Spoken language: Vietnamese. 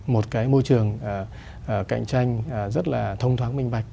một cái môi trường cạnh tranh rất là thông thoáng minh bạch